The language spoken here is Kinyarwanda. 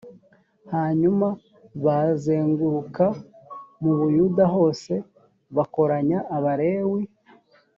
hanyuma bazenguruka mu buyuda hose bakoranya abalewi.